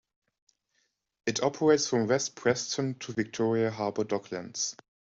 It operates from West Preston to Victoria Harbour Docklands.